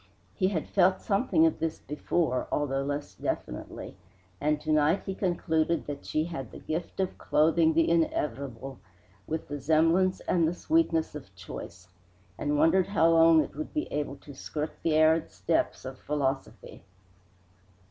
He had felt something of this before, although less definitely, and to night he concluded that she had the gift of clothing the inevitable with the semblance and the sweetness of choice; and wondered how long it would be able to skirt the arid steppes of philosophy.